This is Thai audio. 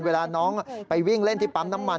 เวลาน้องไปวิ่งเล่นที่ปั๊มน้ำมัน